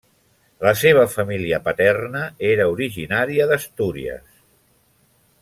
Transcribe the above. La seva família paterna era originària d’Astúries.